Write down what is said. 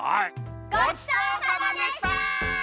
ごちそうさまでした！